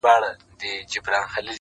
کافر دروغ پاخه رشتیا مات کړي,